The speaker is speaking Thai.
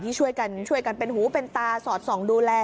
ช่วยกันช่วยกันเป็นหูเป็นตาสอดส่องดูแล